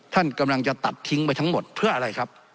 ท่านกำลังจะตัดทิ้งไปทั้งหมดเพื่ออะไรครับ